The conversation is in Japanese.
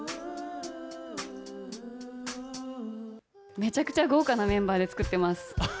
めちゃくちゃ豪華なメンバーで作ってます。